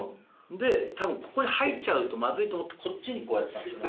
で多分ここで吐いちゃうとマズいと思ってこっちにこうやったんでしょうね